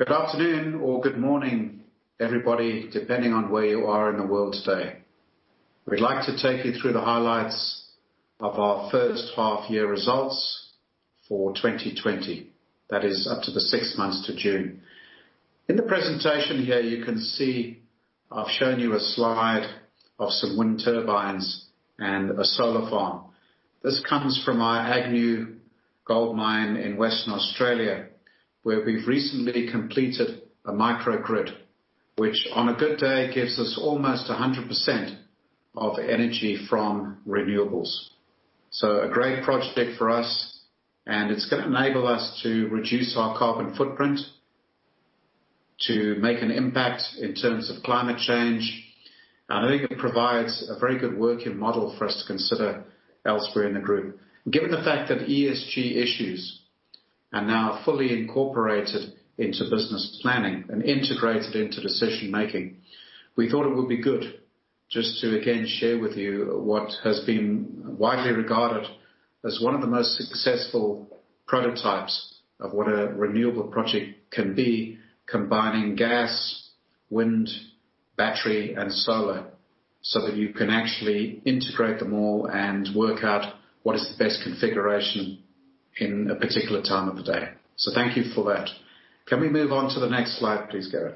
Good afternoon or good morning, everybody, depending on where you are in the world today. We'd like to take you through the highlights of our first half year results for 2020. That is up to six months to June. In the presentation here, you can see I've shown you a slide of some wind turbines and a solar farm. This comes from our Agnew gold mine in Western Australia, where we've recently completed a microgrid. Which, on a good day, gives us almost 100% of energy from renewables. A great project for us, and it's going to enable us to reduce our carbon footprint to make an impact in terms of climate change. I think it provides a very good working model for us to consider elsewhere in the group. Given the fact that ESG issues are now fully incorporated into business planning and integrated into decision making, we thought it would be good just to again share with you what has been widely regarded as one of the most successful prototypes of what a renewable project can be, combining gas, wind, battery, and solar, so that you can actually integrate them all and work out what is the best configuration in a particular time of the day. Thank you for that. Can we move on to the next slide, please, Gary?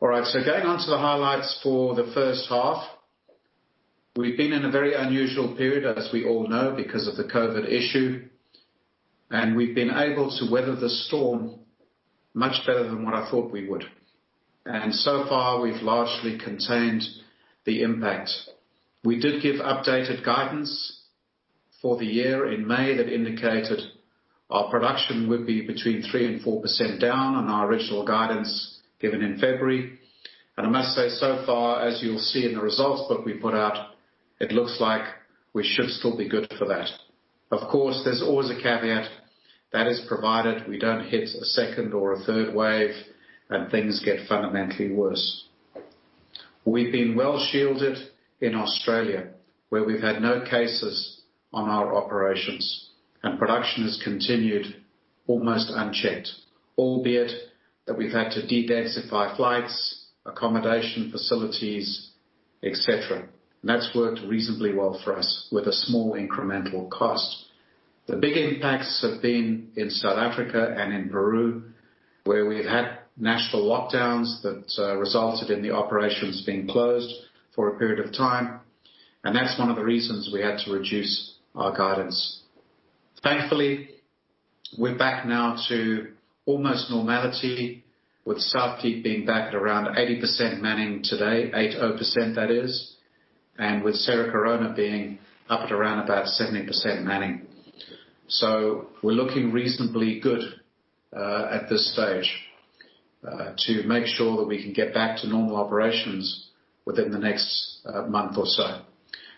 Going on to the highlights for the first half. We've been in a very unusual period, as we all know, because of the COVID issue; we've been able to weather the storm much better than what I thought we would. So far, we've largely contained the impact. We did give updated guidance for the year in May that indicated our production would be between 3% and 4% down on our original guidance given in February. I must say so far, as you'll see in the results book we put out, it looks like we should still be good for that. Of course, there's always a caveat. That is provided we don't hit a second or a third wave, and things get fundamentally worse. We've been well shielded in Australia, where we've had no cases on our operations and production has continued almost unchecked. Albeit that we've had to dedensify flights, accommodation facilities, et cetera. That's worked reasonably well for us with a small incremental cost. The big impacts have been in South Africa and in Peru, where we've had national lockdowns that resulted in the operations being closed for a period of time, and that's one of the reasons we had to reduce our guidance. Thankfully, we're back now to almost normality with South Deep being back at around 80% manning today. 80%, that is. With Cerro Corona being up at around about 70% manning. We're looking reasonably good at this stage to make sure that we can get back to normal operations within the next month or so.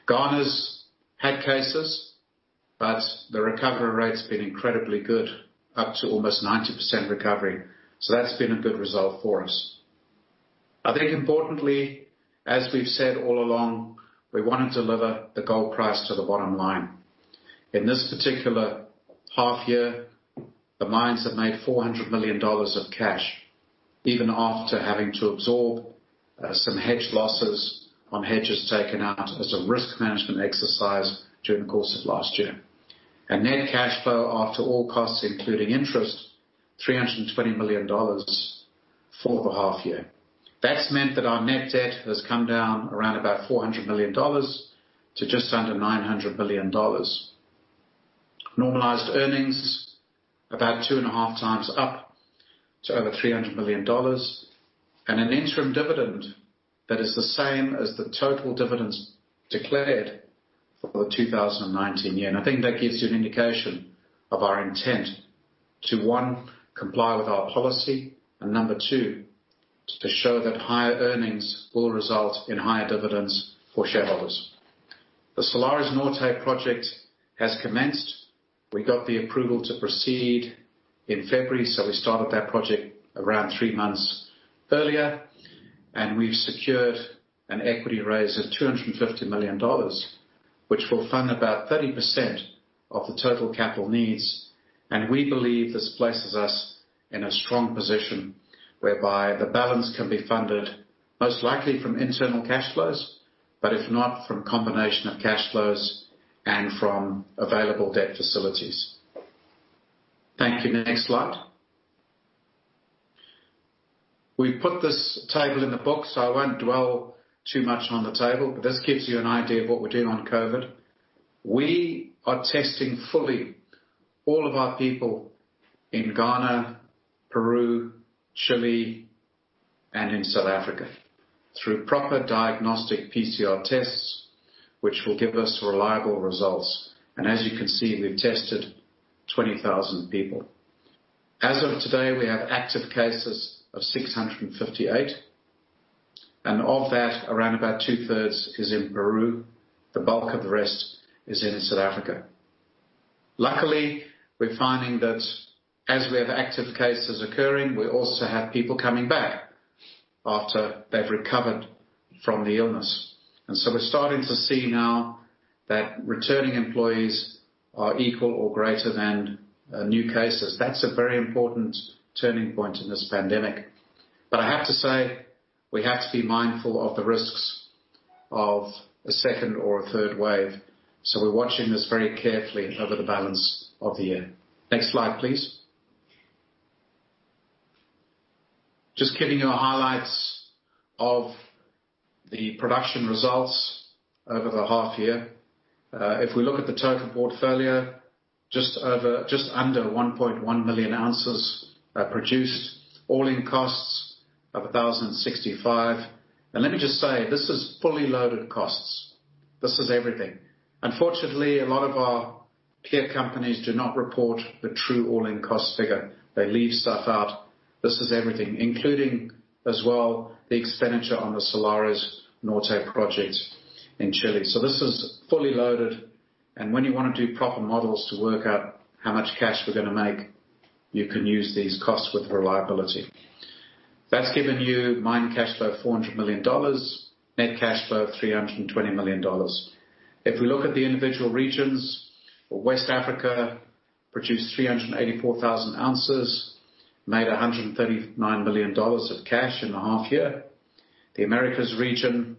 Ghana's had cases, but the recovery rate's been incredibly good, up to almost 90% recovery rate. That's been a good result for us. I think, importantly, as we've said all along, we want to deliver the gold price to the bottom line. In this particular half year, the mines have made $400 million in cash, even after having to absorb some hedge losses on hedges taken out as a risk management exercise during the course of last year. Net cash flow after all costs, including interest, is $320 million for the half year. That means that our net debt has come down to around $400 million, to just under $900 million. Normalized earnings about 2.5x up to over $300 million. An interim dividend that is the same as the total dividends declared for the 2019 year. I think that gives you an indication of our intent to, one, comply with our policy. Number two, to show that higher earnings will result in higher dividends for shareholders. The Salares Norte project has commenced. We got the approval to proceed in February, so we started that project around three months earlier, and we've secured an equity raise of $250 million, which will fund about 30% of the total capital needs. We believe this places us in a strong position whereby the balance can be funded, most likely from internal cash flows, but if not, from a combination of cash flows and from available debt facilities. Thank you. Next slide. We put this table in the book, so I won't dwell too much on the table. This gives you an idea of what we're doing on COVID. We are testing fully all of our people in Ghana, Peru, Chile, and South Africa through proper diagnostic PCR tests, which will give us reliable results. As you can see, we've tested 20,000 people. As of today, we have active cases of 658, and of that, about 2/3 are in Peru. The bulk of the rest is in South Africa. Luckily, we're finding that as we have active cases occurring, we also have people coming back after they've recovered from the illness. We're starting to see now that returning employees are equal to or greater than new cases. That's a very important turning point in this pandemic. I have to say, we have to be mindful of the risks of a second or a third wave. We're watching this very carefully over the balance of the year. Next slide, please. Just giving you highlights of the production results over the half year. If we look at the total portfolio, just under 1.1 million ounces are produced. All-in costs of $1,065/oz. Let me just say, this is fully loaded costs. This is everything. Unfortunately, a lot of our peer companies do not report the true all-in costs figure. They leave stuff out. This is everything, including as well the expenditure on the Salares Norte project in Chile. This is fully loaded, and when you want to do proper models to work out how much cash we're going to make, you can use these costs with reliability. That's given you mine cash flow, $400 million, net cash flow, $320 million. If we look at the individual regions, West Africa produced 384,000 oz, made $139 million in cash in a half year. The Americas region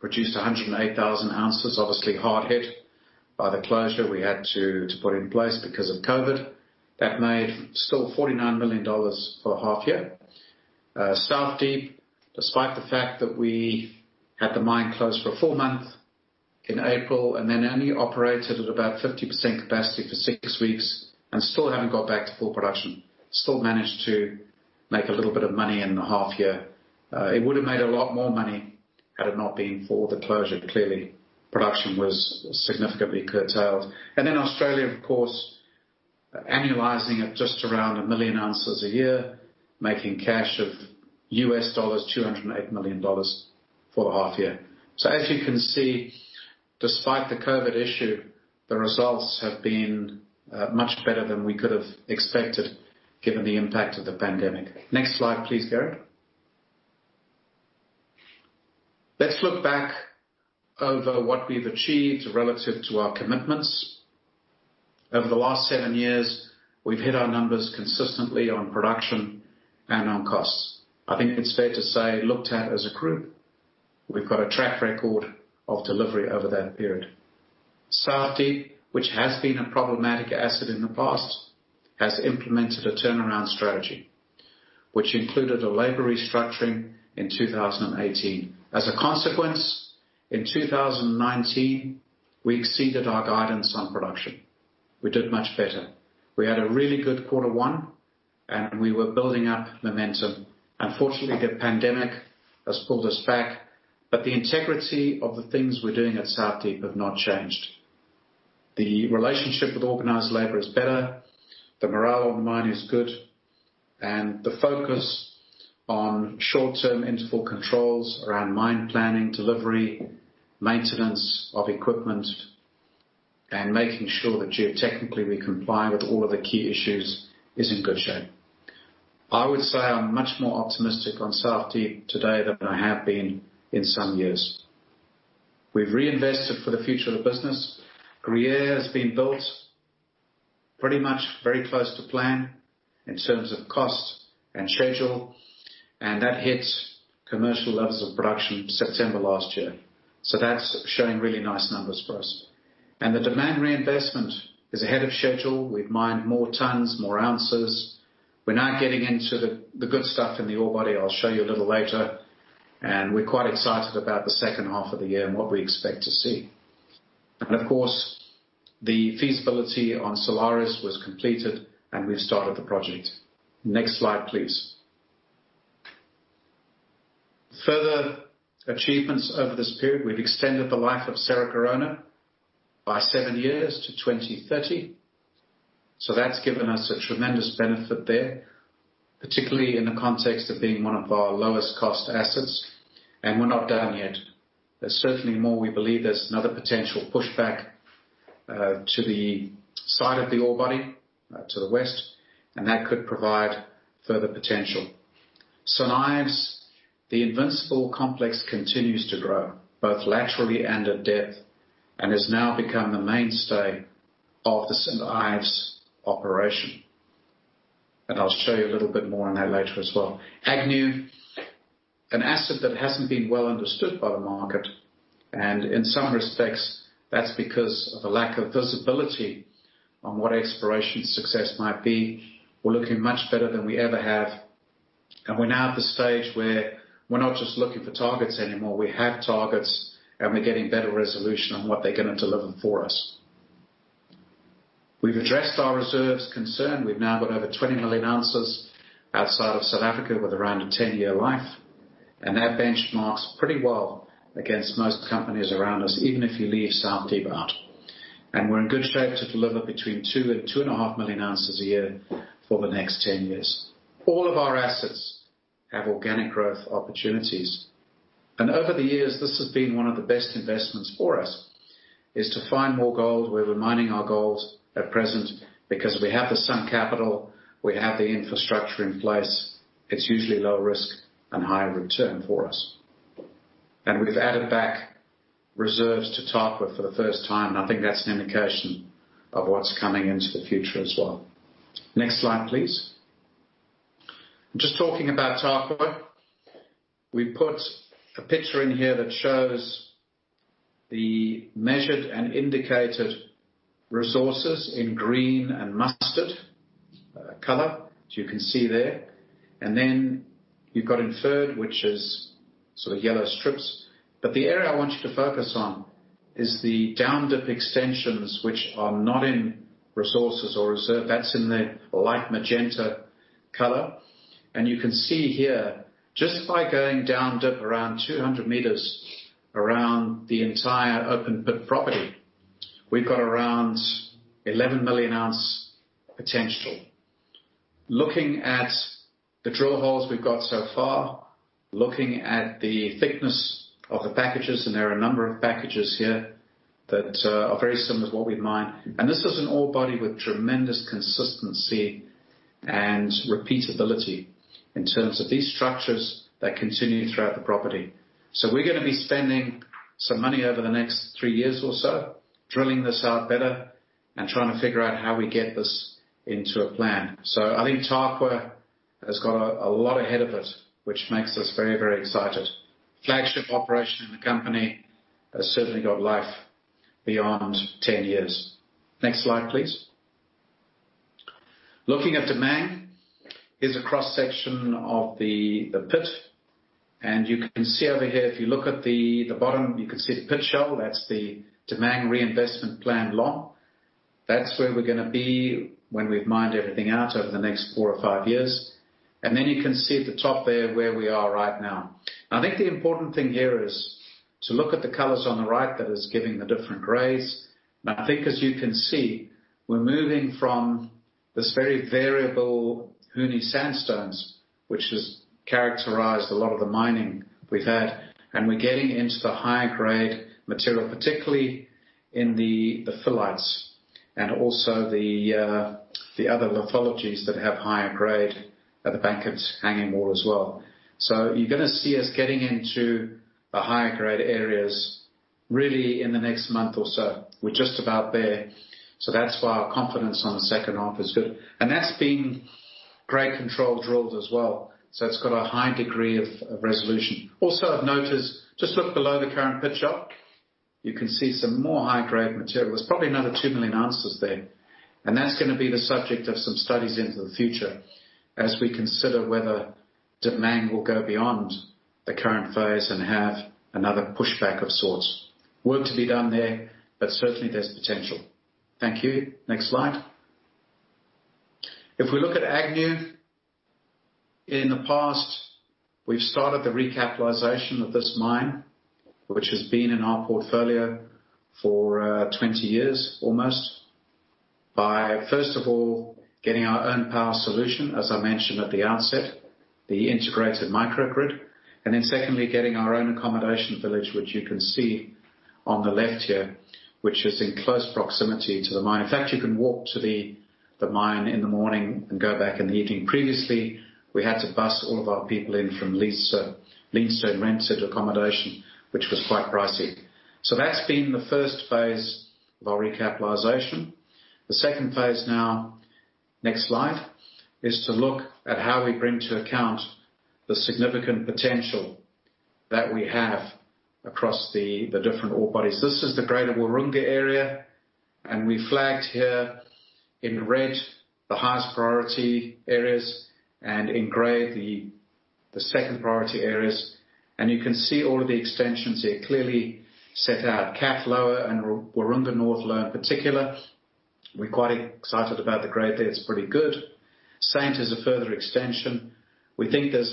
produced 108,000 oz. Obviously, hard hit by the closure we had to put in place because of COVID. That made still $49 million for a half year. South Deep, despite the fact that we had the mine closed for a full month in April, then only operated at about 50% capacity for six weeks and still haven't got back to full production, still managed to make a little bit of money in the half year. It would have made a lot more money had it not been for the closure. Clearly, production was significantly curtailed. Australia, of course, annualizing at just around 1 million ounces a year, making cash of $208 million for the half year. As you can see, despite the COVID issue, the results have been much better than we could have expected given the impact of the pandemic. Next slide, please, Gary. Let's look back over what we've achieved relative to our commitments. Over the last seven years, we've hit our numbers consistently on production and on costs. I think it's fair to say, looked at as a group, we've got a track record of delivery over that period. South Deep, which has been a problematic asset in the past, has implemented a turnaround strategy, which included a labor restructuring in 2018. As a consequence, in 2019, we exceeded our guidance on production. We did much better. We had a really good quarter one, and we were building up momentum. Unfortunately, the pandemic has pulled us back, but the integrity of the things we're doing at South Deep have not changed. The relationship with organized labor is better, the morale on the mine is good, and the focus on short-term interval controls around mine planning, delivery, maintenance of equipment, and making sure that geotechnically we comply with all of the key issues, is in good shape. I would say I'm much more optimistic on South Deep today than I have been in some years. We've reinvested in the future of the business. Gruyere has been built pretty much very close to plan in terms of cost and schedule, and that hit commercial levels of production in September last year. That's showing really nice numbers for us. The Damang reinvestment is ahead of schedule. We've mined more tons, more ounces. We're now getting into the good stuff in the ore body. I'll show you a little later. We're quite excited about the second half of the year and what we expect to see. Of course, the feasibility on Salares Norte was completed, and we've started the project. Next slide, please. Further achievements over this period we've extended the life of Cerro Corona by seven years to 2030. That's given us a tremendous benefit there, particularly in the context of being one of our lowest cost assets, and we're not done yet. There's certainly more. We believe there's another potential pushback to the side of the ore body, to the west, and that could provide further potential. St Ives, the Invincible Complex continues to grow both laterally and at depth, and has now become the mainstay of the St Ives operation. I'll show you a little bit more on that later as well. Agnew is an asset that hasn't been well understood by the market, and in some respects, that's because of a lack of visibility on what exploration success might be. We're looking much better than we ever have, and we're now at the stage where we're not just looking for targets anymore. We have targets, and we're getting better resolution on what they're going to deliver for us. We've addressed our reserve concerns. We've now got over 20 million ounces outside of South Africa with around a 10-year life, and that benchmarks pretty well against most companies around us, even if you leave South Deep out. We're in good shape to deliver between 2 million ounces-2.5 million ounces a year for the next 10 years. All of our assets have organic growth opportunities. Over the years, this has been one of the best investments for us, to find more gold where we're mining our gold at present, because we have the sunk capital, we have the infrastructure in place, it's usually lower risk and higher return for us. We've added back reserves to Tarkwa for the first time, and I think that's an indication of what's coming into the future as well. Next slide, please. Just talking about Tarkwa. We put a picture in here that shows the measured and indicated resources in green and mustard colors, as you can see there. Then you've got inferred, which is sort of yellow strips. The area I want you to focus on is the down-dip extensions, which are not in resources or reserves. That's in the light magenta color. You can see here, just by going down dip around 200 m around the entire open pit property, we've got around 11 million ounces potential. Looking at the drill holes we've got so far, looking at the thickness of the packages, and there are a number of packages here that are very similar to what we mine. This is an ore body with tremendous consistency and repeatability in terms of these structures that continue throughout the property. We're gonna be spending some money over the next three years or so drilling this out better and trying to figure out how we get this into a plan. I think Tarkwa has got a lot ahead of it, which makes us very excited. The flagship operation in the company has certainly got life beyond 10 years. Next slide, please. Looking at Damang, here's a cross-section of the pit. You can see over here that if you look at the bottom, you can see the pit shell. That's the Damang reinvestment plan line. That's where we're gonna be when we've mined everything out over the next four or five years. Then you can see at the top where we are right now. Now, I think the important thing here is to look at the colors on the right that are giving the different grays. I think, as you can see, we're moving from this very variable Huni Sandstone, which has characterized a lot of the mining we've had, and we're getting into the higher grade material, particularly in the phyllites and also the other lithologies that have higher grade at the back of the hanging wall as well. You're gonna see us getting into the higher grade areas, really, in the next month or so. We're just about there. That's why our confidence in the second half is good. That's been grade control drilled as well, so it's got a high degree of resolution. Also of note is that just look below the current pit shell. You can see some more high-grade material. There's probably another 2 million ounces there, and that's gonna be the subject of some studies into the future as we consider whether Damang will go beyond the current phase and have another pushback of sorts. Work to be done there, but certainly there's potential. Thank you. Next slide. If we look at Agnew. In the past, we've started the recapitalization of this mine, which has been in our portfolio for almost 20 years, by first of all, getting our own power solution, as I mentioned at the outset, the integrated microgrid. Secondly, getting our own accommodation village, which you can see on the left here, is in close proximity to the mine. In fact, you can walk to the mine in the morning and go back in the evening. Previously, we had to bus all of our people in from leased and rented accommodation, which was quite pricey. That's been the first phase of our recapitalization. The second phase, now, next slide, is to look at how we bring to account the significant potential that we have across the different ore bodies. This is the grade of the Waroonga area, and we flagged here in red the highest priority areas and in gray the second priority areas. You can see all of the extensions here, clearly set out. Kath Lower and Waroonga North Lower, in particular. We're quite excited about the grade there. It's pretty good. St Ives is a further extension. We think there are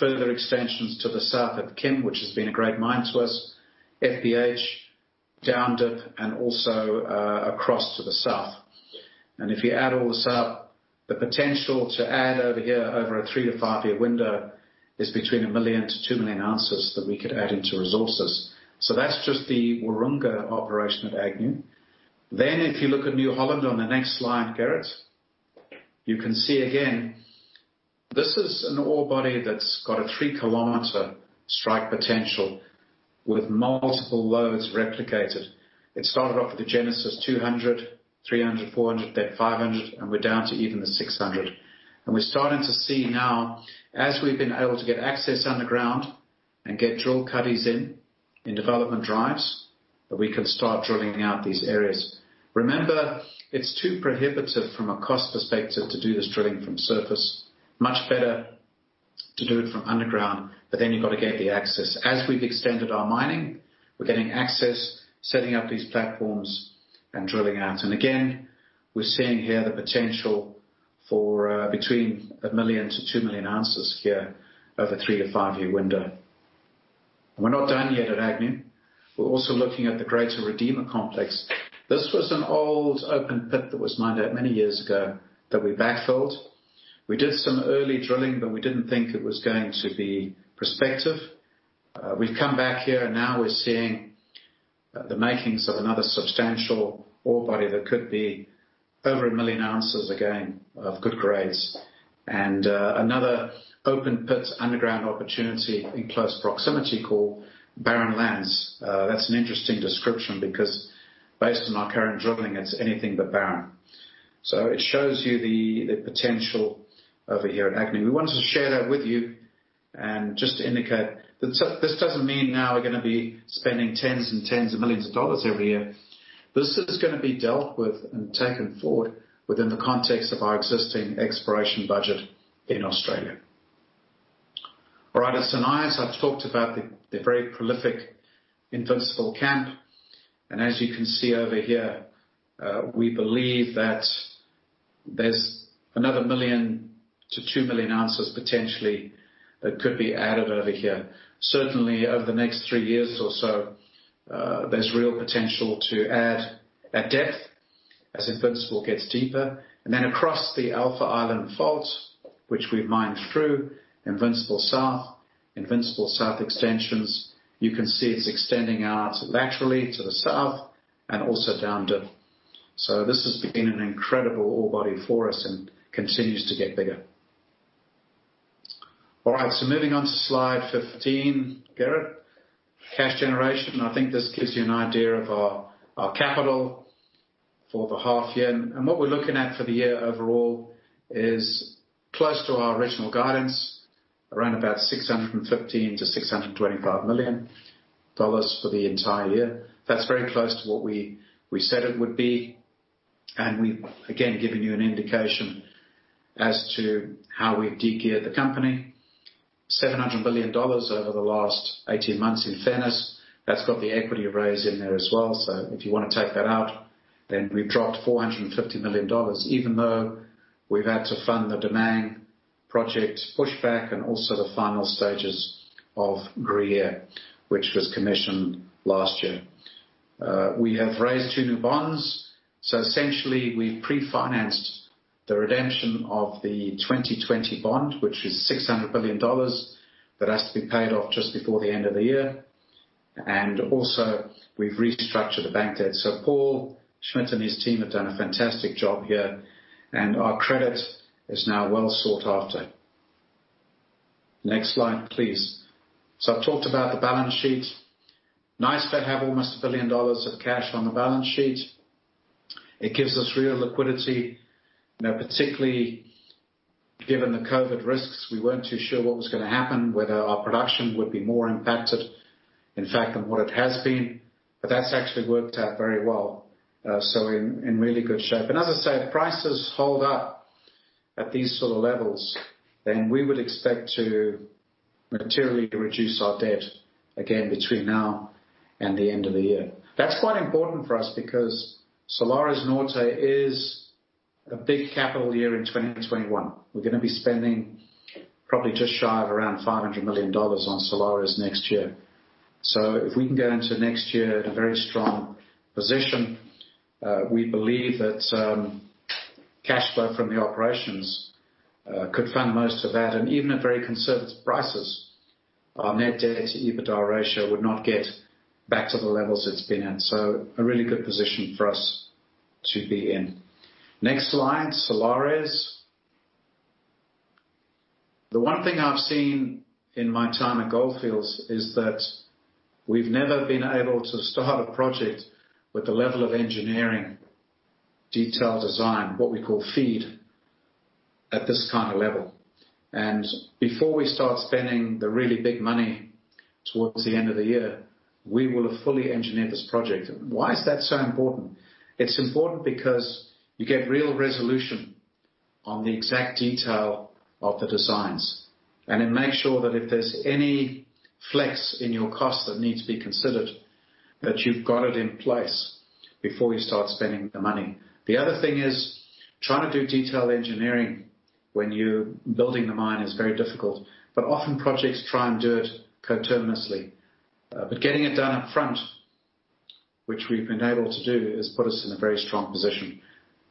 further extensions to the south at Kim, which has been a great mine for us. FBH, down dip, and also across to the south. If you add all this up, the potential to add over here over a three to five-year window is between 1 million ounces-2 million ounces that we could add into resources. That is just the Waroonga operation at Agnew. If you look at New Holland on the next slide, Gary. You can see again that this is an ore body that has got a 3 km strike potential with multiple loads replicated. It started off with a Genesis 200 Series, 300 Series, 400 Series, then 500 Series, and we are down to even the 600 Series. We are starting to see now, as we have been able to get access underground and get drill cuttings in development drives, that we can start drilling out these areas. Remember, it is too prohibitive from a cost perspective to do this drilling from the surface. Much better to do it from underground; you have got to get the access. As we've extended our mining, we're getting access, setting up these platforms, and drilling out. Again, we're seeing here the potential for between 1 million ounces-2 million ounces here over a three- to five-year window. We're not done yet at Agnew. We're also looking at the greater Redeemer complex. This was an old open pit that was mined out many years ago, which we backfilled. We did some early drilling, but we didn't think it was going to be prospective. We've come back here now, we're seeing the makings of another substantial ore body that could be over 1 million ounces again of good grades, another open-pit underground opportunity in close proximity called Barren Lands. That's an interesting description because, based on our current drilling, it's anything but barren. It shows you the potential over here at Agnew. We wanted to share that with you, and just to indicate that this doesn't mean now we're going to be spending tens and tens of millions of dollars every year. This is going to be dealt with and taken forward within the context of our existing exploration budget in Australia. All right. At St Ives, I've talked about the very prolific Invincible Camp. As you can see over here, we believe that there's another 1 million ounces-2 million ounces potentially that could be added over here. Certainly, over the next three years or so, there's real potential to add at depth as Invincible gets deeper. Across the Alpha Island Fault, which we mined through, Invincible South, Invincible South extensions, you can see it's extending out laterally to the south and also down dip. This has been an incredible ore body for us and continues to get bigger. All right, moving on to slide 15, Gary. Cash generation. I think this gives you an idea of our capital for the half year. What we're looking at for the year overall is close to our original guidance, around about $615 million-$625 million for the entire year. That's very close to what we said it would be. We, again giving you an indication as to how we've de-geared the company. $700 million over the last 18 months in fairness. That's got the equity raise in there as well. If you want to take that out, then we've dropped $450 million, even though we've had to fund the Damang project pushback and also the final stages of Gruyere, which was commissioned last year. We have raised two new bonds. Essentially, we pre-financed the redemption of the 2020 bond, which is $600 million. That has to be paid off just before the end of the year. We've restructured the bank debt. Paul Schmidt and his team have done a fantastic job here, and our credit is now well sought after. Next slide, please. I've talked about the balance sheet. Nice to have almost $1 billion of cash on the balance sheet. It gives us real liquidity. Particularly given the COVID risks, we weren't too sure what was going to happen, whether our production would be more impacted, in fact, than what it has been. That's actually worked out very well. In really good shape. As I say, if prices hold up at these sorts of levels, we would expect to materially reduce our debt, again between now and the end of the year. That's quite important for us because Salares Norte is a big capital year in 2021. We're going to be spending probably just shy of around $500 million on Salares next year. If we can go into next year at a very strong position, we believe that cash flow from the operations could fund most of that. Even at very conservative prices, our net debt-to-EBITDA ratio would not get back to the levels it's been in. A really good position for us to be in. Next slide, Salares. The one thing I've seen in my time at Gold Fields is that we've never been able to start a project with the level of engineering detail design, what we call FEED, at this kind of level. Before we start spending the really big money towards the end of the year, we will have fully engineered this project. Why is that so important? It's important because you get real resolution on the exact detail of the designs, and it makes sure that if there's any flex in your cost that needs to be considered, you've got it in place before you start spending the money. The other thing is, trying to do detailed engineering when you're building the mine is very difficult. Often, projects try to do it coterminously. Getting it done up front, which we've been able to do, has put us in a very strong position.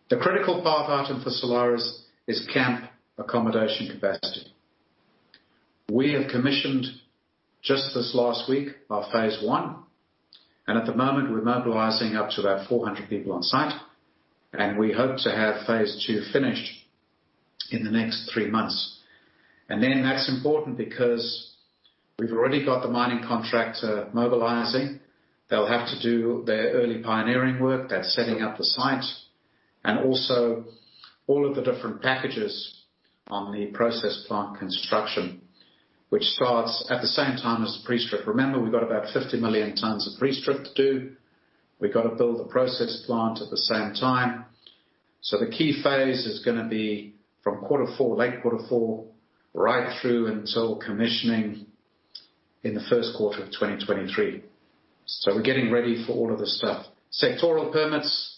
The critical path item for Salares Norte is camp accommodation capacity. We have commissioned our Phase 1 just this last week. At the moment, we're mobilizing up to about 400 people on site. We hope to have Phase 2 finished in the next three months. That's important because we've already got the mining contractor mobilizing. They'll have to do their early pioneering work. That's setting up the site and also all of the different packages on the process plant construction, which starts at the same time as the pre-strip. Remember, we've got about 50 million tons of pre-strip to do. We've got to build the process plant at the same time. The key phase is going to be from quarter four, late quarter four, right through until commissioning in the first quarter of 2023. We're getting ready for all of the stuff. Sectoral permits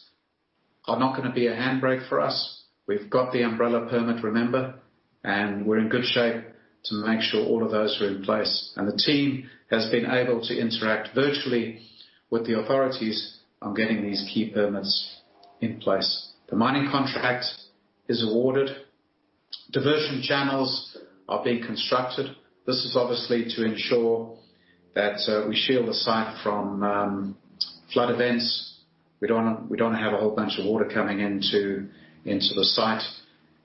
are not going to be a handbrake for us. We've got the umbrella permit, remember, we're in good shape to make sure all of those are in place. The team has been able to interact virtually with the authorities on getting these key permits in place. The mining contract is awarded. Diversion channels are being constructed. This is obviously to ensure that we shield the site from flood events. We don't want to have a whole bunch of water coming into the site,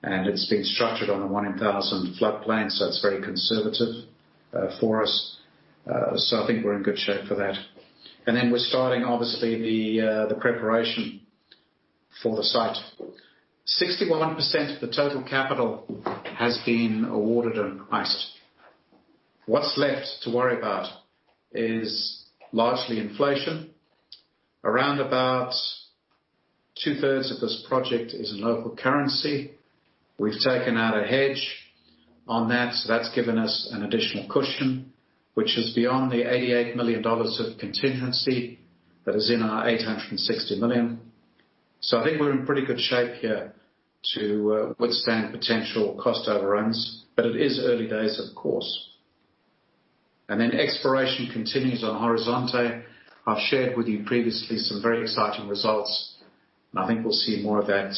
and it's been structured on a 1-in-1,000 flood plan, so it's very conservative for us. I think we're in good shape for that. We're starting, obviously, the preparation for the site. 61% of the total capital has been awarded and priced. What's left to worry about is largely inflation. Around two-thirds of this project is in local currency. We've taken out a hedge on that, so that's given us an additional cushion, which is beyond the $88 million of contingency that is in our $860 million. I think we're in pretty good shape here to withstand potential cost overruns, but it is early days, of course. Exploration continues on Horizonte. I've shared with you previously some very exciting results, and I think we'll see more of that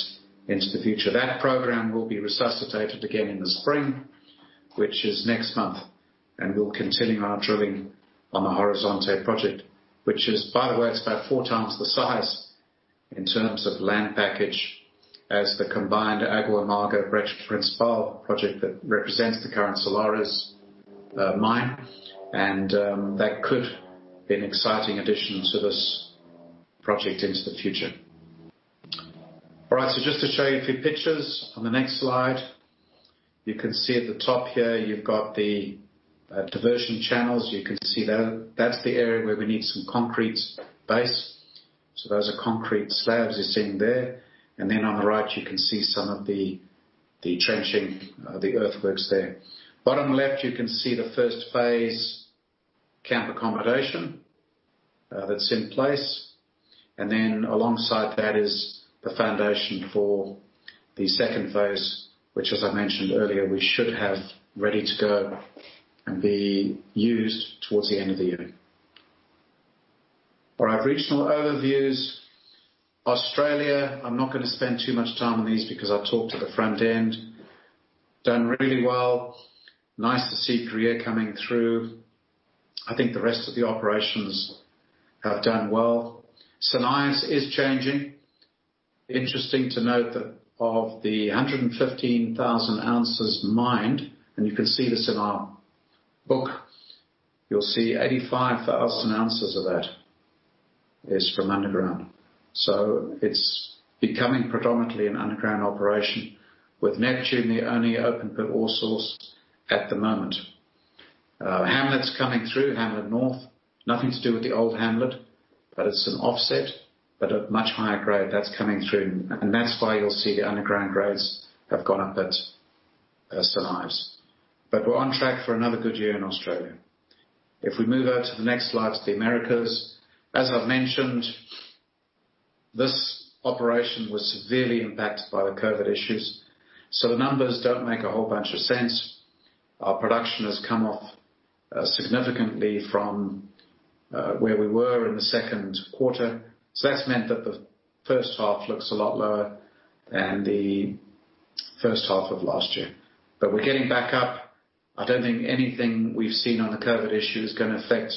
in the future. That program will be resuscitated again in the spring, which is next month. We'll continue our drilling on the Horizonte project, which is, by the way, it's about four times the size in terms of land package as the combined Agua Amarga, Brecha Principal project that represents the current Salares Norte mine. That could be an exciting addition to this project into the future. All right. Just to show you a few pictures on the next slide. You can see at the top here, you've got the diversion channels. You can see there that's the area where we need some concrete base. Those are concrete slabs you're seeing there. On the right, you can see some of the trenching, the earthworks there. Bottom left, you can see the Phase 1 camp accommodation that's in place. Alongside that is the foundation for the second phase, which, as I mentioned earlier, we should have ready to go and be used towards the end of the year. All right. Regional overviews. Australia, I'm not going to spend too much time on these because I talked at the front end. Done really well. Nice to see Gruyere coming through. I think the rest of the operations have done well. St Ives is changing. Interesting to note that of the 115,000 oz mined, and you can see this in our book, you'll see 85,000 oz of that is from underground. It's becoming predominantly an underground operation, with Neptune the only open pit ore source at the moment. Hamlet's coming through. Hamlet North, nothing to do with the old Hamlet, but it's an offset, but a much higher grade that's coming through, and that's why you'll see the underground grades have gone up at St Ives. We're on track for another good year in Australia. If we move over to the next slide to the Americas, as I've mentioned, this operation was severely impacted by the COVID issues, so the numbers don't make a whole bunch of sense. Our production has come off significantly from where we were in the second quarter. That means that the first half looks a lot lower than the first half of last year. We're getting back up. I don't think anything we've seen on the COVID issue is going to affect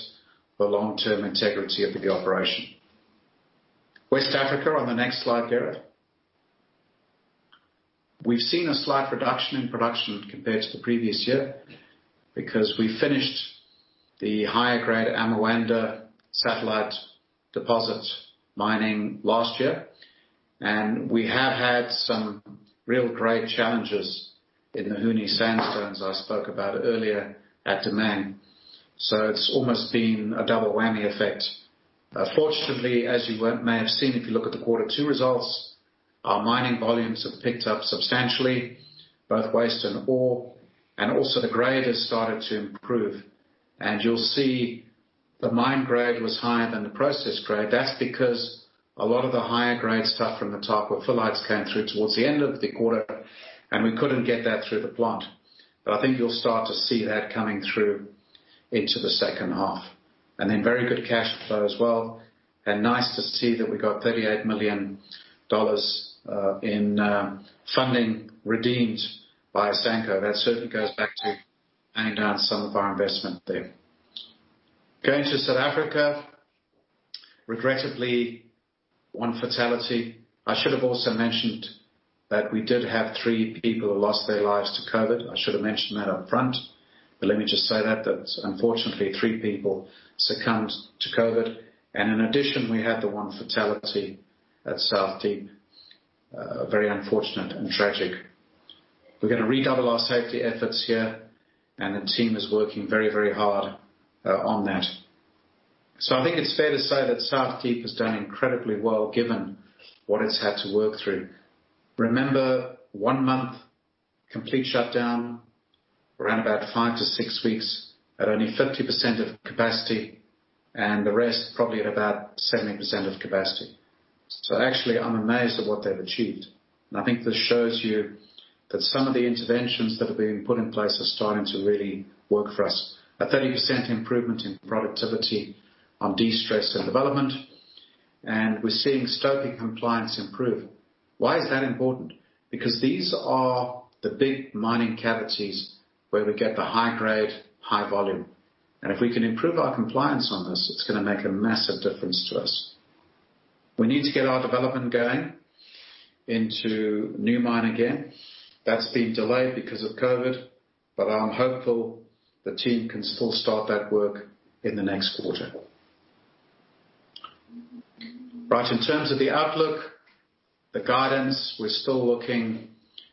the long-term integrity of the operation. West Africa on the next slide, Gary. We've seen a slight reduction in production compared to the previous year because we finished the higher-grade Amoanda satellite deposit mining last year, and we have had some real grade challenges in the Huni Sandstone I spoke about earlier at Damang. It's been almost a double whammy effect. Fortunately, as you may have seen, if you look at the quarter two results, our mining volumes have picked up substantially, both waste and ore, and also the grade has started to improve. You'll see the mine grade was higher than the process grade. That's because a lot of the higher-grade stuff from the top of phyllites came through towards the end of the quarter, and we couldn't get that through the plant. I think you'll start to see that coming through into the second half. Very good cash flow as well. Nice to see that we got $38 million in funding redeemed by Asanko. That certainly goes back to paying down some of our investment there. Going to South Africa, regrettably, one fatality. I should have also mentioned that we did have three people who lost their lives to COVID. I should have mentioned that up front, but let me just say that, unfortunately, three people succumbed to COVID, and in addition, we had the one fatality at South Deep. Very unfortunate and tragic. We're going to redouble our safety efforts here, and the team is working very hard on that. I think it's fair to say that South Deep has done incredibly well given what it's had to work through. Remember, one month complete shutdown, around about five to six weeks at only 30% of capacity, and the rest probably at about 70% of capacity. Actually, I'm amazed at what they've achieved. I think this shows you that some of the interventions that have been put in place are starting to really work for us. A 30% improvement in productivity on destress and development, and we're seeing stope compliance improve. Why is that important? Because these are the big mining cavities where we get the high-grade, high-volume. If we can improve our compliance on this, it's going to make a massive difference to us. We need to get our development going in Agnew again. That's been delayed because of COVID. I'm hopeful the team can still start that work in the next quarter. Right. In terms of the outlook and guidance, we're still looking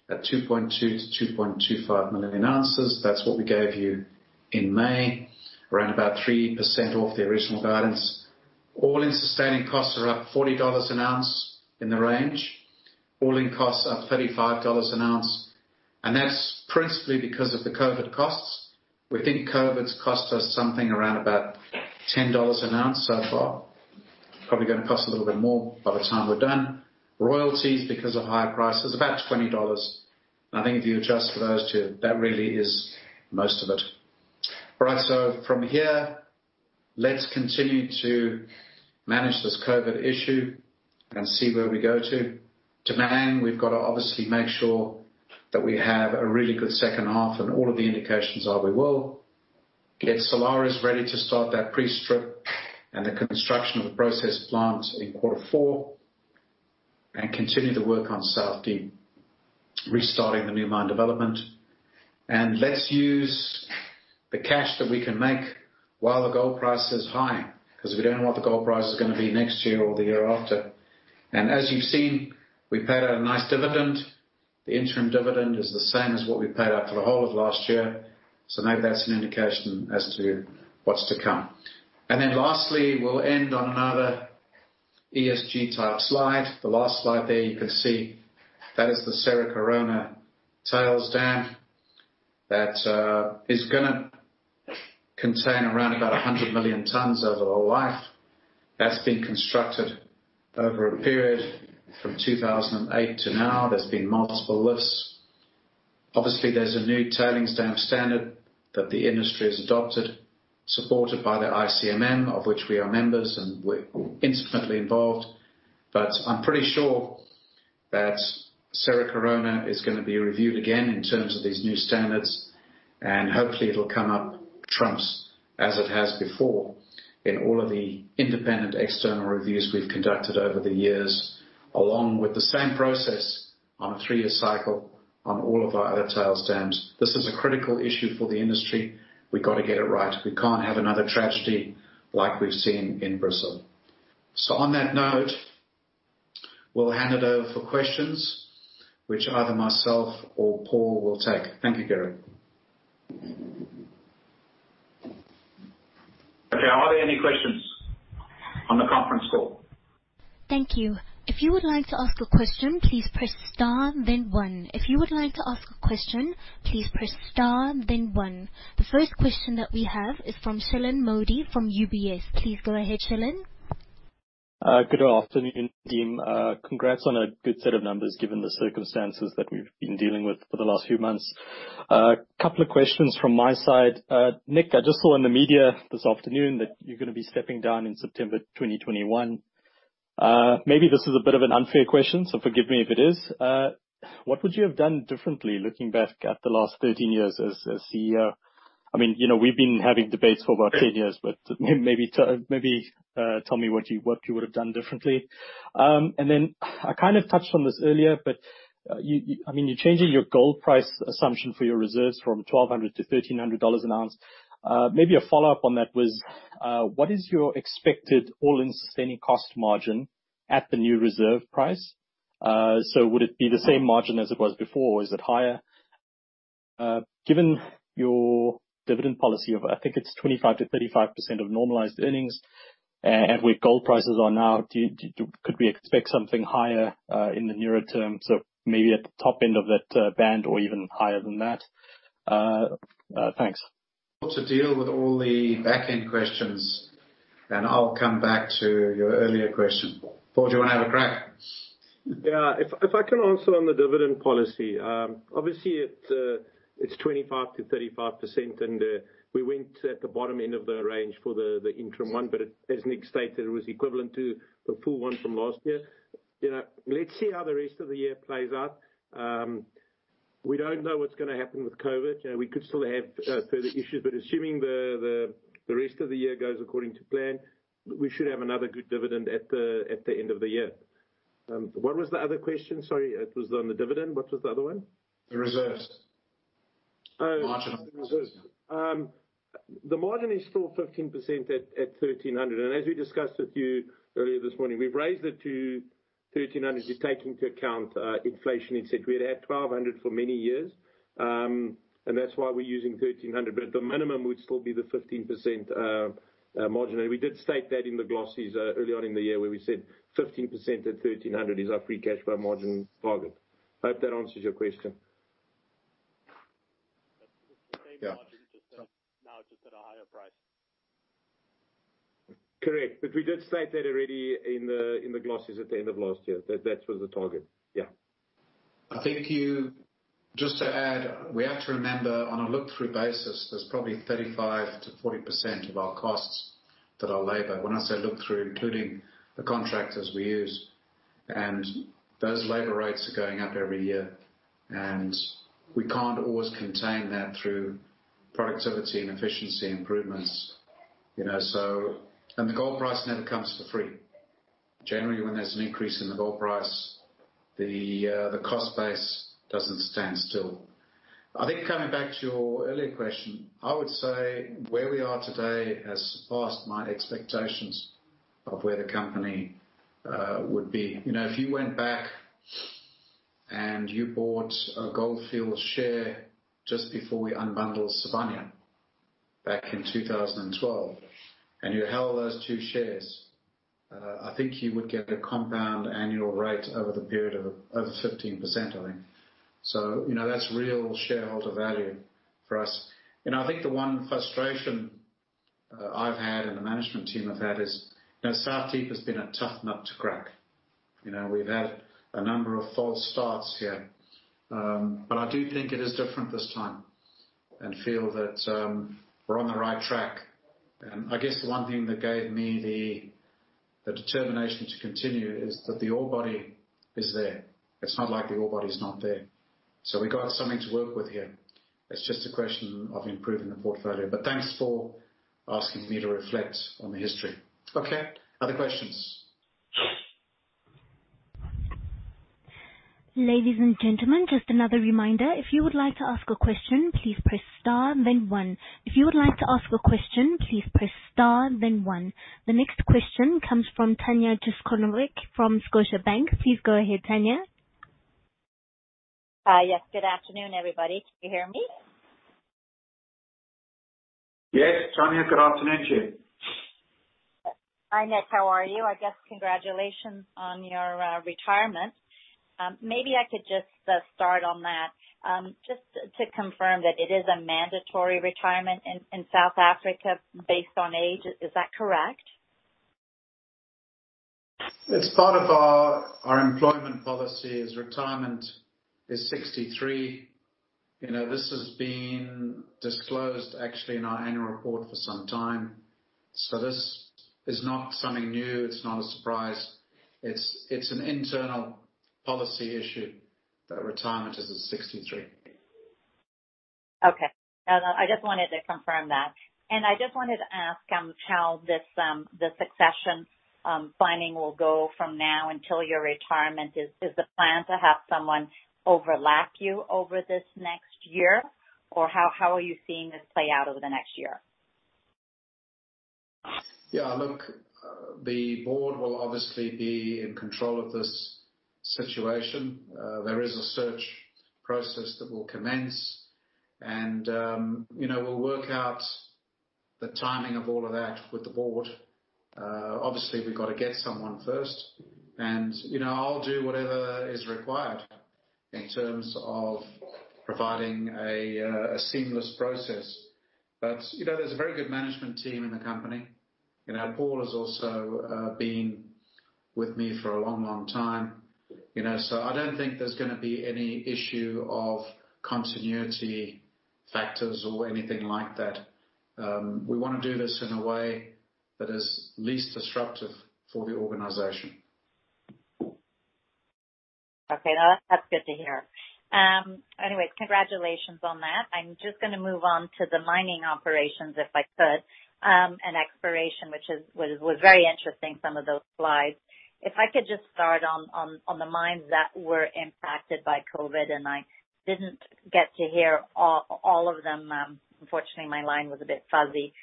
at 2.2 million ounces-2.25 million ounces. That's what we gave you in May, around about 3% off the original guidance. All-in sustaining costs are up $40 an ounce in the range. All-in costs are up $35 an ounce, and that's principally because of the COVID costs. We think COVID's cost us something around about $10 an ounce so far. Probably going to cost a little bit more by the time we're done. Royalties, because of higher prices, are about $20. I think if you adjust for those two, that really is most of it. All right. From here, let's continue to manage this COVID issue and see where we go to. Damang, we've got to obviously make sure that we have a really good second half, and all of the indications are we will. Get Salares Norte ready to start that pre-strip and the construction of the process plant in Q4, and continue the work on South Deep, restarting the new mine development. Let's use the cash that we can make while the gold price is high, because we don't know what the gold price is going to be next year or the year after. As you've seen, we paid out a nice dividend. The interim dividend is the same as what we paid out for the whole of last year, so maybe that's an indication as to what's to come. Lastly, we'll end on another ESG-type slide. The last slide there you can see that the Cerro Corona tailings dam that is gonna contain around 100 million tonnes over the Life of Mine. That's been constructed over a period from 2008 to the present. There have been multiple lifts. Obviously, there's a new tailings dam standard that the industry has adopted, supported by the ICMM, of which we are members, and we're intimately involved. I'm pretty sure that Cerro Corona is gonna be reviewed again in terms of these new standards, and hopefully it'll come up trumps as it has before in all of the independent external reviews we've conducted over the years, along with the same process on a three-year cycle on all of our other tailings dams. This is a critical issue for the industry. We've got to get it right. We can't have another tragedy as we've seen in Brazil. On that note, we'll hand it over for questions, which either myself or Paul will take. Thank you, Gary. Okay. Are there any questions on the conference call? Thank you. If you would like to ask a question, please press star, then one. If you would like to ask a question, please press star, then one. The first question that we have is from Shilan Modi from UBS. Please go ahead, Shilan. Good afternoon, team. Congrats on a good set of numbers given the circumstances that we've been dealing with for the last few months. A couple of questions from my side. Nick, I just saw in the media this afternoon that you're gonna be stepping down in September 2021. Maybe this is a bit of an unfair question; forgive me if it is. What would you have done differently looking back at the last 13 years as CEO? We've been having debates for about 10 years. Maybe tell me what you would have done differently. I kind of touched on this earlier, you're changing your gold price assumption for your reserves from $1,200 an ounce to $1,300 an ounce. Maybe a follow-up on that was, what is your expected all-in sustaining cost margin at the new reserve price? Would it be the same margin as it was before? Is it higher? Given your dividend policy of, I think it's 25%-35% of normalized earnings, and where gold prices are now, could we expect something higher in the near term, so maybe at the top end of that band or even higher than that? Thanks. To deal with all the back-end questions, then I'll come back to your earlier question. Paul, do you want to have a crack? Yeah. If I can answer on the dividend policy. Obviously, it's 25%-35%, and we went at the bottom end of the range for the interim one. As Nick stated, it was equivalent to the full one from last year. Let's see how the rest of the year plays out. We don't know what's going to happen with COVID. We could still have further issues, but assuming the rest of the year goes according to plan, we should have another good dividend at the end of the year. What was the other question? Sorry, it was on the dividend. What was the other one? The reserves. Oh. Margin on the reserves. The margin is still 15% at $1,300 an ounce. As we discussed with you earlier this morning, we've raised it to $1,300 an ounce to take into account inflation, et cetera. We'd had $1,200 an ounce for many years, that's why we're using $1,300 an ounce. The minimum would still be the 15% margin. We did state that in the glossies early on in the year, where we said 15% at $1,300 an ounce is our free cash flow margin target. I hope that answers your question. Yeah. So now it is at a higher price? Correct. We did state that already in the glossies at the end of last year, that was the target. Yeah. Just to add, we have to remember, on a look-through basis, there's probably 35%-40% of our costs that are labor. When I say look through, including the contractors we use. Those labor rates are going up every year, and we can't always contain that through productivity and efficiency improvements. The gold price never comes for free. Generally, when there's an increase in the gold price, the cost base doesn't stand still. I think coming back to your earlier question, I would say where we are today has surpassed my expectations of where the company would be. If you went back and you bought a Gold Fields share just before we unbundled Sibanye back in 2012, and you held those two shares, I think you would get a compound annual rate over the period of over 15%, I think. That's real shareholder value for us. I think the one frustration I've had and the management team has had is that South Deep has been a tough nut to crack. We've had a number of false starts here. I do think it is different this time and feel that we're on the right track. I guess the one thing that gave me the determination to continue is that the ore body is there. It's not like the ore body is not there. We got something to work with here. It's just a question of improving the portfolio. Thanks for asking me to reflect on the history. Okay. Other questions? Ladies and gentlemen, just another reminder. If you would like to ask a question, please press star then one. The next question comes from Tanya Jakusconek from Scotiabank. Please go ahead, Tanya. Hi. Yes. Good afternoon, everybody. Can you hear me? Yes, Tanya. Good afternoon to you. Hi, Nick. How are you? I guess congratulations on your retirement. Maybe I could just start on that. Just to confirm that it is a mandatory retirement in South Africa based on age. Is that correct? It's part of our employment policy, and retirement is at 63. This has been disclosed, actually, in our annual report for some time. This is not something new. It's not a surprise. It's an internal policy issue that retirement is at 63. Okay. I just wanted to confirm that. I just wanted to ask how the succession planning will go from now until your retirement. Is the plan to have someone overlap with you over the next year? How are you seeing this play out over the next year? Yeah, look, the board will obviously be in control of this situation. There is a search process that will commence, and we'll work out the timing of all of that with the board. Obviously, we've got to get someone first, and I'll do whatever is required in terms of providing a seamless process. There's a very good management team in the company. Paul has also been with me for a long time. I don't think there's going to be any issue of continuity factors or anything like that. We want to do this in a way that is least disruptive for the organization. Okay. That's good to hear. Anyways, congratulations on that. I'm just gonna move on to the mining operations, if I could, and exploration, which was very interesting, some of those slides. If I could just start on the mines that were impacted by COVID, and I didn't get to hear all of them, unfortunately, my line was a bit fuzzy.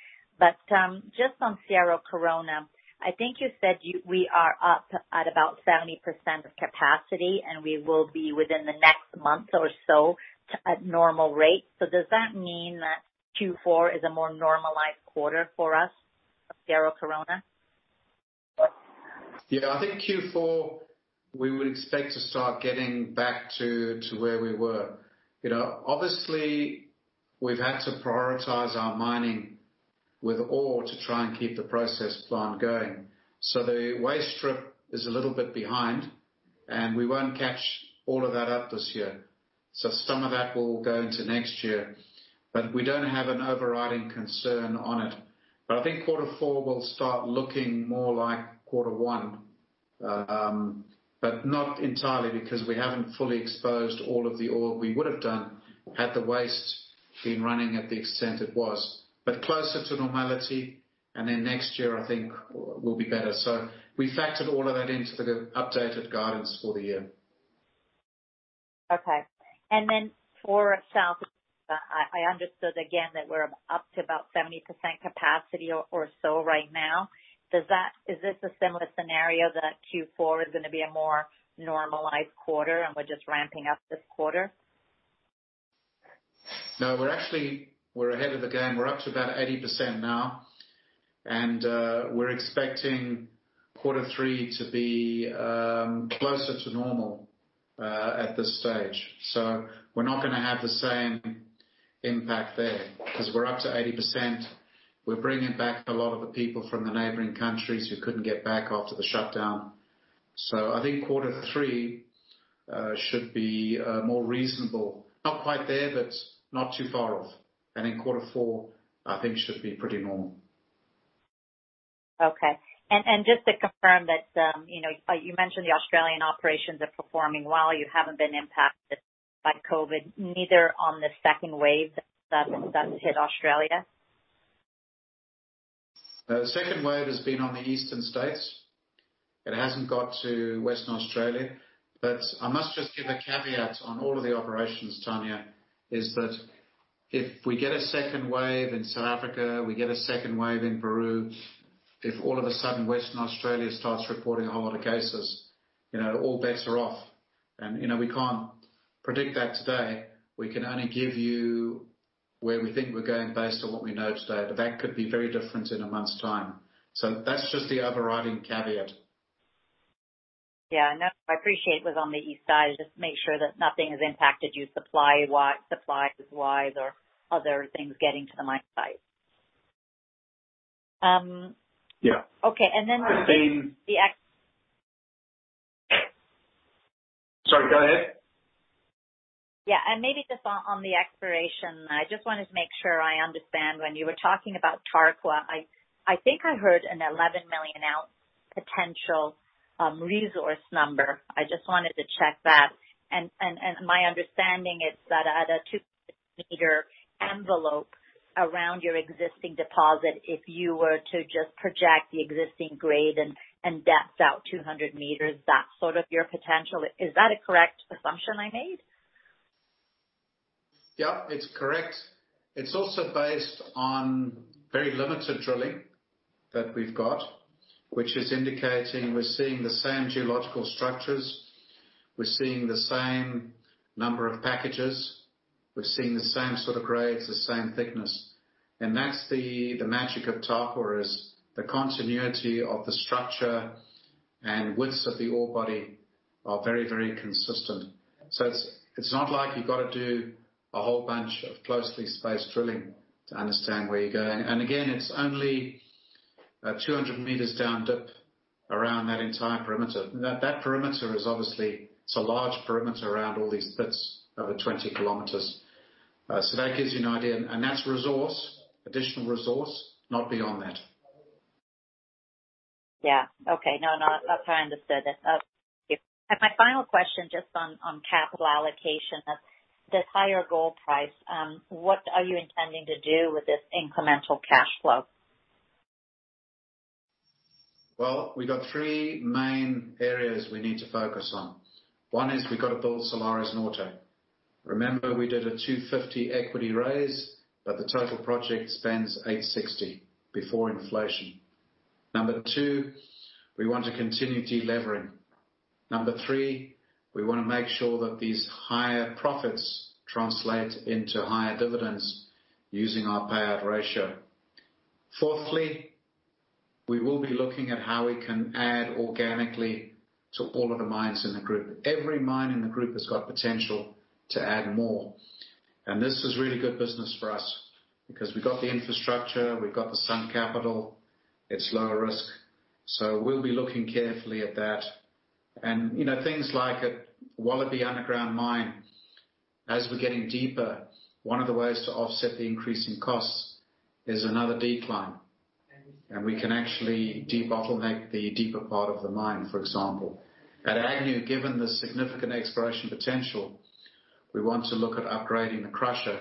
Just on Cerro Corona, I think you said we are up at about 70% of capacity, and we will be within the next month or so at normal rates. Does that mean that Q4 is a more normalized quarter for us at Cerro Corona? Yeah. I think Q4, we would expect to start getting back to where we were. Obviously, we've had to prioritize our mining with ore to try and keep the process plant going. The waste strip is a little bit behind, and we won't catch all of that up this year. Some of that will go into next year. We don't have an overriding concern about it. I think quarter four will start looking more like quarter one. Not entirely because we haven't fully exposed all of the ore we would have done had the waste been running at the extent it was. Closer to normality, and then next year, I think, will be better. We factored all of that into the updated guidance for the year. Okay. For South Deep, I understood again that we're up to about 70% capacity or so right now. Is this a similar scenario that Q4 is gonna be a more normalized quarter, and we're just ramping up this quarter? We're actually ahead of the game. We're up to about 80% now, and we're expecting quarter three to be closer to normal at this stage. We're not going to have the same impact there because we're up to 80%. We're bringing back a lot of the people from the neighboring countries who couldn't get back after the shutdown. I think quarter three should be more reasonable. Not quite there, but not too far off. In quarter four, I think it should be pretty normal. Okay. Just to confirm that, you mentioned the Australian operations are performing well. You haven't been impacted by COVID, neither on the second wave that's hit Australia? The second wave has been in the eastern states. It hasn't got to Western Australia. I must just give a caveat on all of the operations, Tanya, is that if we get a second wave in South Africa, we get a second wave in Peru, if all of a sudden Western Australia starts reporting a whole lot of cases, all bets are off. We can't predict that today. We can only give you where we think we're going based on what we know today. That could be very different in a month's time. That's just the overriding caveat. Yeah. No, I appreciate it was on the east side. Just make sure that nothing has impacted you supplies-wise or other things getting to the mine site. Yeah. Okay. And then on the- Sorry, go ahead. Yeah. Maybe just on the exploration, I just wanted to make sure I understand when you were talking about Tarkwa, I think I heard an 11 million ounce potential resource number. I just wanted to check that. My understanding is that at a 200 m envelope around your existing deposit, if you were to just project the existing grade and depths out 200 m, that's sort of your potential. Is that a correct assumption I made? Yeah, it's correct. It's also based on very limited drilling that we've got, which is indicating we're seeing the same geological structures, we're seeing the same number of packages. We're seeing the same sort of grades, the same thickness. That's the magic of Tarkwa; the continuity of the structure and widths of the ore body are very consistent. It's not like you've got to do a whole bunch of closely spaced drilling to understand where you're going. Again, it's only 200 m down dip around that entire perimeter. That perimeter is obviously, it's a large perimeter around all these pits, over 20 km. That gives you an idea. That's resource, additional resource, not beyond that. Yeah. Okay. No, I understood that. My final question is just on capital allocation at this higher gold price. What are you intending to do with this incremental cash flow? We've got three main areas we need to focus on. One is we've got to build Salares Norte. Remember, we did a $250 million equity raise, but the total project spends $860 million before inflation. Number two, we want to continue deleveraging. Number three, we want to make sure that these higher profits translate into higher dividends using our payout ratio. Fourthly, we will be looking at how we can add organically to all of the mines in the group. Every mine in the group has the potential to add more. This is really good business for us because we've got the infrastructure, we've got the sunk capital. It's lower risk. We'll be looking carefully at that. Things like at Wallaby underground mine, as we're getting deeper, one of the ways to offset the increase in costs is another decline. We can actually debottleneck the deeper part of the mine, for example. At Agnew, given the significant exploration potential, we want to look at upgrading the crusher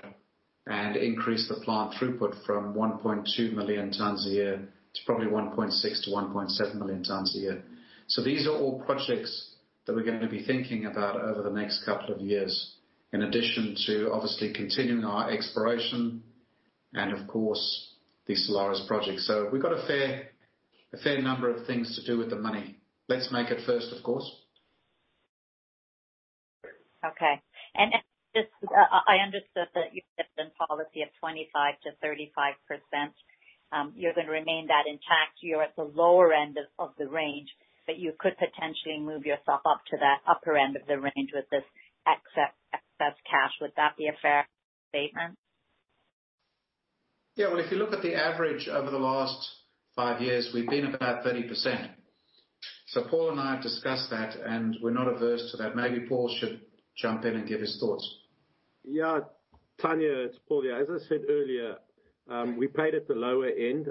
and increasing the plant throughput from 1.2 million tons a year to probably 1.6 million tons-1.7 million tons a year. These are all projects that we're going to be thinking about over the next couple of years, in addition to obviously continuing our exploration and, of course, the Salares Norte project. We've got a fair number of things to do with the money. Let's make it first, of course. Okay. Just, I understood that your dividend policy of 25%-35%, you're going to remain that intact. You're at the lower end of the range; you could potentially move yourself up to that upper end of the range with this excess cash. Would that be a fair statement? Yeah. Well, if you look at the average over the last five years, we've been about 30%. Paul and I have discussed that, and we're not averse to that. Maybe Paul should jump in and give his thoughts. Yeah. Tanya, it's Paul here. As I said earlier, we paid at the lower end.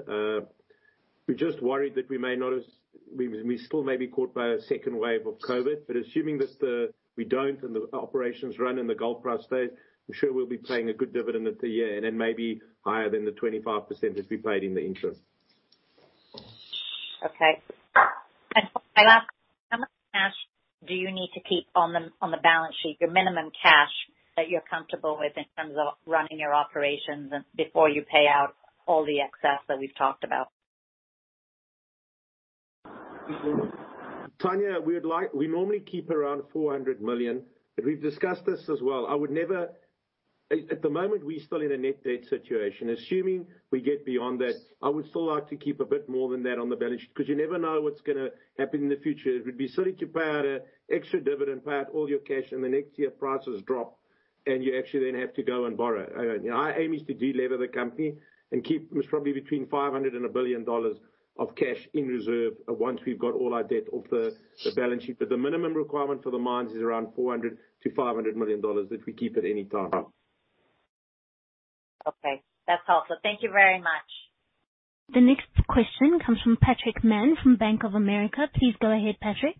We're just worried that we still may be caught by a second wave of COVID. Assuming that we don't and the operations run and the gold price stays, I'm sure we'll be paying a good dividend for the year, and it may be higher than the 25% that we paid in the interim. Okay. Paul, my last, how much cash do you need to keep on the balance sheet, your minimum cash that you're comfortable with in terms of running your operations, and before you pay out all the excess that we've talked about? Tanya, we normally keep around $400 million, but we've discussed this as well. At the moment, we're still in a net debt situation. Assuming we get beyond that, I would still like to keep a bit more than that on the balance sheet because you never know what's going to happen in the future. It would be silly to pay out an extra dividend, pay out all your cash, and the next year prices drop, and you actually then have to go and borrow. Our aim is to de-leverage the company and keep probably between $0.5 billion-$1 billion of cash in reserve once we've got all our debt off the balance sheet. The minimum requirement for the mines is around $400 million-$500 million that we keep at any time. Okay. That's all. Thank you very much. The next question comes from Patrick Mann from Bank of America. Please go ahead, Patrick.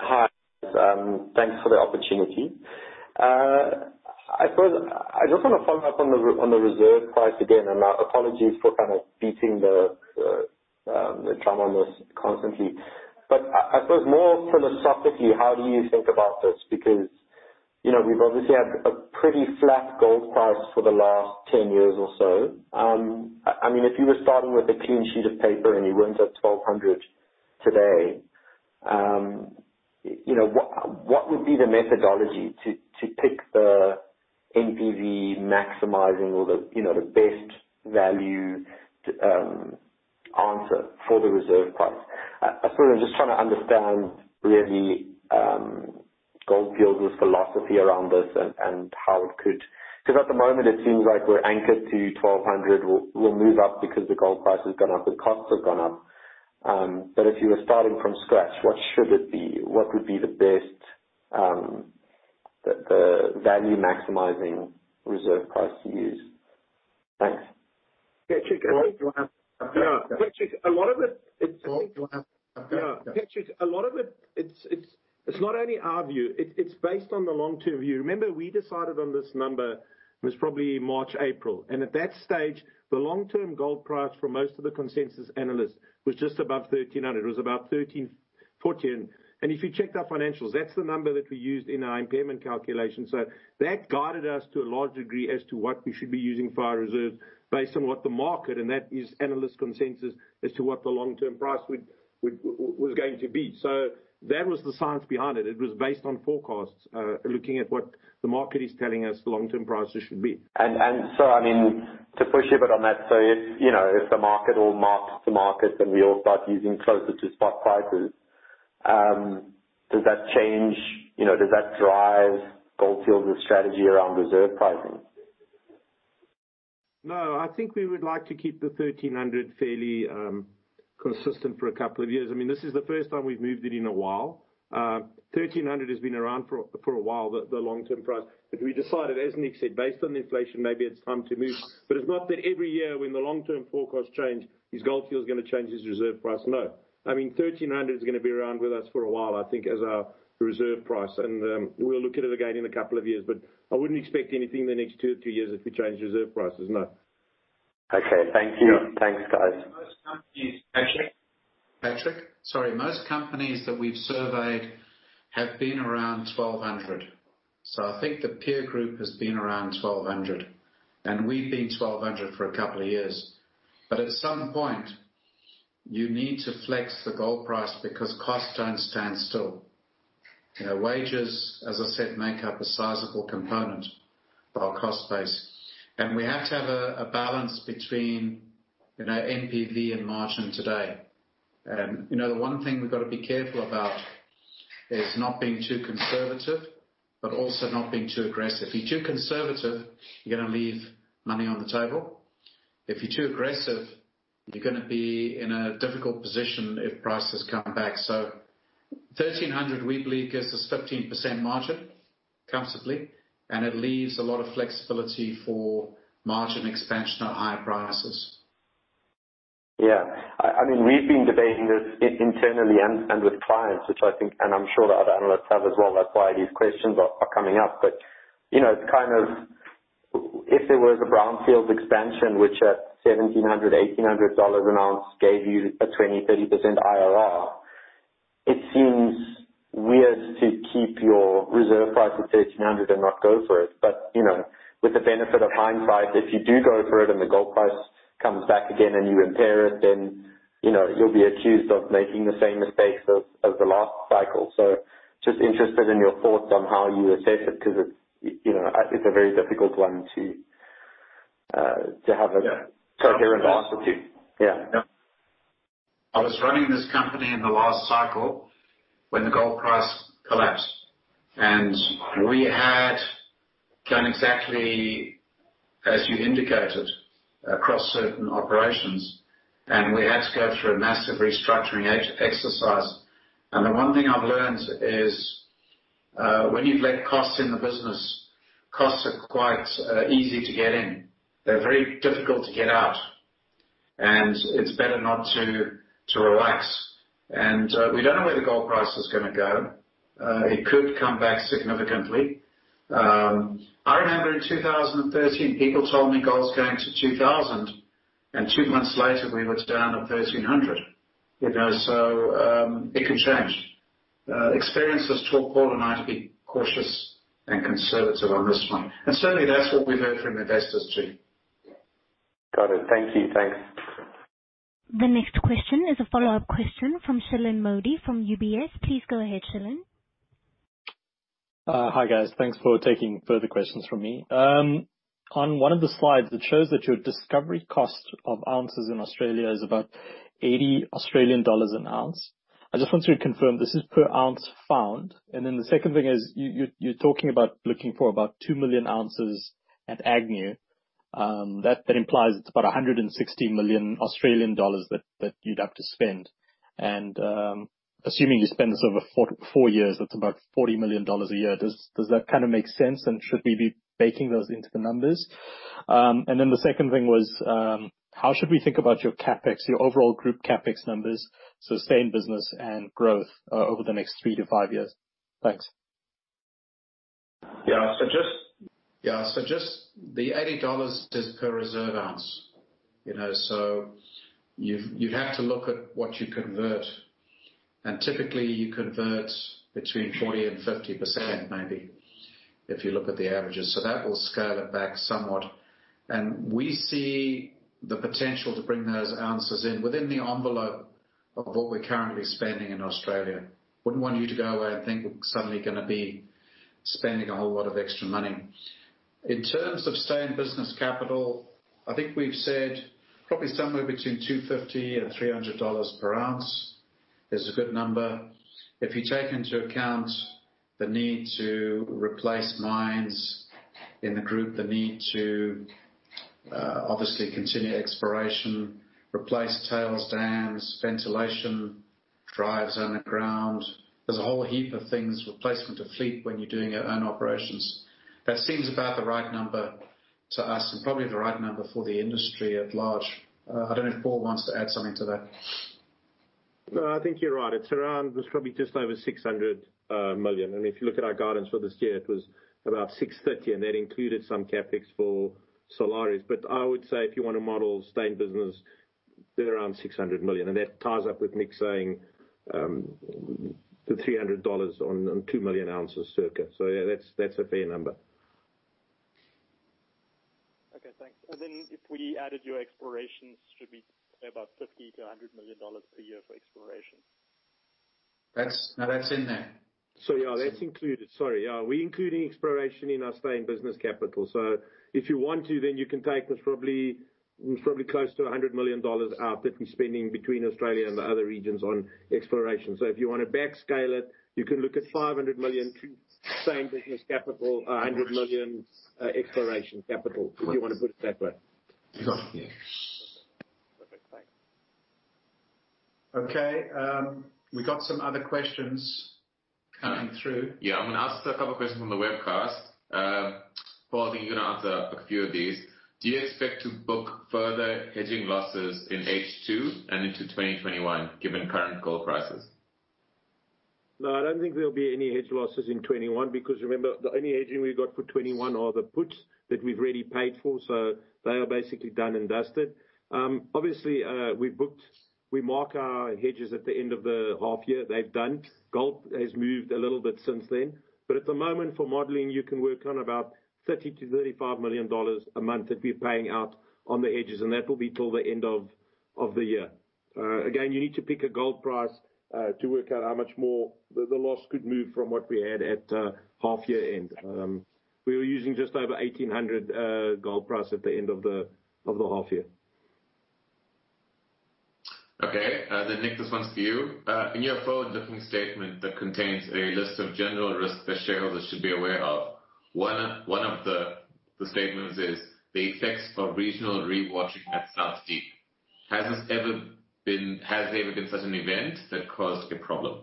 Hi. Thanks for the opportunity. I just want to follow up on the reserve price again, and apologies for kind of beating the drum on this constantly. I suppose more philosophically, how do you think about this? We've obviously had a pretty flat gold price for the last 10 years or so. If you were starting with a clean sheet of paper and you weren't at $1,200 an ounce today, what would be the methodology to pick the NPV maximizing or the best value answer for the reserve price? I'm sort of just trying to understand, really, Gold Fields philosophy around this. At the moment, it seems like we're anchored to $1,200 an ounce. We'll move up because the gold price has gone up, and costs have gone up. If you were starting from scratch, what should it be? What would be the best value-maximizing reserve price to use? Thanks. Patrick. Paul, can- Patrick, a lot of it. Paul? Patrick, a lot of it's not only our view, but it's based on the long-term view. Remember, we decided on this number; it was probably March or April. At that stage, the long-term gold price for most of the consensus analysts was just above $1,300 an ounce. It was about $1,314 an ounce. If you check our financials, that's the number that we used in our impairment calculation. That guided us to a large degree as to what we should be using for our reserve based on what the market, and that is analyst consensus, as to what the long-term price was going to be. That was the science behind it. It was based on forecasts, looking at what the market is telling us the long-term prices should be. To push a bit on that. If the market will mark to market and we all start using closer to spot prices, does that drive Gold Fields strategy around reserve pricing? No, I think we would like to keep the $1,300 an ounce fairly consistent for a couple of years. This is the first time we've moved it in a while. $1,300 an ounce has been around for a while, the long-term price. We decided, as Nick said, based on the inflation, maybe it's time to move. It's not that every year when the long-term forecasts change, is Gold Fields going to change its reserve price? No. $1,300 an ounce is going to be around with us for a while, I think, as our reserve price. We'll look at it again in a couple of years, but I wouldn't expect anything in the next two or three years if we change reserve prices. No. Okay. Thank you. Thanks, guys. Patrick? Sorry. Most companies that we've surveyed have been around $1,200 an ounce. I think the peer group has been around $1,200 an ounce, and we've been $1,200 an ounce for a couple of years. At some point, you need to flex the gold price because costs don't stand still. Wages, as I said, make up a sizable component of our cost base. We have to have a balance between NPV and margin today. The one thing we've got to be careful about is not being too conservative, but also not being too aggressive. If you're too conservative, you're going to leave money on the table. If you're too aggressive, you're going to be in a difficult position if prices come back. $1,300 an ounce, we believe, gives us 15% margin comfortably, and it leaves a lot of flexibility for margin expansion at higher prices. Yeah. We've been debating this internally and with clients, which I think, and I'm sure the other analysts have as well. That's why these questions are coming up. If there was a brownfield expansion that at $1,700 an ounce-$1,800 an ounce gave you a 20%-30% IRR, it seems weird to keep your reserve price at $1,300 an ounce and not go for it. With the benefit of hindsight, if you do go for it and the gold price comes back again and you impair it, then you'll be accused of making the same mistakes as the last cycle. Just interested in your thoughts on how you assess it, because it's a very difficult one to have a coherent answer to. Yeah. Yeah. I was running this company in the last cycle when the gold price collapsed. We had done exactly as you indicated across certain operations, but we had to go through a massive restructuring exercise. The one thing I've learned is that when you let costs into the business, costs are quite easy to get in. They're very difficult to get out; it's better not to relax. We don't know where the gold price is going to go. It could come back significantly. I remember in 2013, people told me gold's going to $2,000 an ounce. Two months later, we were down to $1,300 an ounce. It can change. Experience has taught Paul and me to be cautious and conservative on this one. Certainly, that's what we heard from investors, too. Got it. Thank you, guys. The next question is a follow-up question from Shilan Modi from UBS. Please go ahead, Shilan. Hi, guys. Thanks for taking further questions from me. On one of the slides, it shows that your discovery cost of ounces in Australia is about 80 Australian dollars an ounce. I just want to confirm this is per ounce found. The second thing is, you're talking about looking for about 2 million ounces at Agnew. That implies it's about 160 million Australian dollars that you'd have to spend. Assuming you spend this over four years, that's about 40 million dollars a year. Does that kind of make sense? Should we be baking those into the numbers? The second thing was, how should we think about your CapEx, your overall group CapEx numbers, sustained business, and growth over the next three to five years? Thanks. Yeah. Just the 80 dollars is per reserve ounce. You'd have to look at what you convert. Typically, you convert between 40%-50%, maybe, if you look at the averages. That will scale it back somewhat. We see the potential to bring those ounces in within the envelope of what we're currently spending in Australia. Wouldn't want you to go away and think we're suddenly gonna be spending a whole lot of extra money. In terms of stay-in-business capital, I think we've said probably somewhere between $250-$300 per ounce is a good number. If you take into account the need to replace mines in the group, the need to obviously continue exploration, replace tailings dams, ventilation, and drives underground. There's a whole heap of things, replacement of fleet when you're doing your own operations. That seems about the right number to us and probably the right number for the industry at large. I don't know if Paul wants to add something to that. No, I think you're right. It's around, it's probably just over $600 million. If you look at our guidance for this year, it was about $630 million, and that included some CapEx for Salares Norte. I would say if you want to model to stay-in-business, they're around $600 million. That ties up with Nick saying, the $300 on 2-million-ounces production circuit. Yeah, that's a fair number. Okay, thanks. If we added your explorations, it should be about $50 million-$100 million per year for exploration? No, that's in there. Yeah, that's included. Sorry. Yeah, we include exploration in our stay-in-business capital. If you want to, then you can take this, probably close to $100 million, out of what we're spending between Australia and the other regions on exploration. If you want to back scale it, you can look at $500 million stay-in-business capital, $100 million exploration capital, if you want to put it that way. Yes. Perfect. Thanks. Okay. We got some other questions coming through. Yeah. I'm gonna ask a couple of questions on the webcast. Paul, I think you're gonna answer a few of these. Do you expect to book further hedging losses in H2 and into 2021, given current gold prices? No, I don't think there'll be any hedge losses in 2021 because remember, the only hedging we've got for 2021 are the puts that we've already paid for, so they are basically done and dusted. Obviously, we mark our hedges at the end of the half year. They've done. Gold has moved a little bit since then. At the moment, for modeling, you can work on about $30 million-$35 million a month that we're paying out on the hedges, and that will be till the end of the year. Again, you need to pick a gold price to work out how much more the loss could move from what we had at half year end. We were using just over $1,800 gold price at the end of the half year. Okay. Nick, this one's for you. In your forward-looking statement that contains a list of general risks that shareholders should be aware of, one of the statements is the effects of regional re-watering at South Deep. Has there ever been such an event that caused a problem?